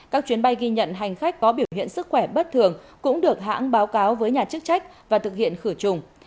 các chuyến bay ghi nhận hành khách có biểu hiện sức khỏe bất thường cũng được hãng báo cáo với nhà chức trách và thực hiện khử trùng